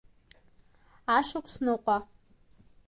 Ашықәс-ныҟәа…